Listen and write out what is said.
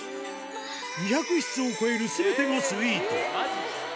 ２００室を超えるすべてがスイート。